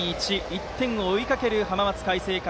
１点を追いかける浜松開誠館。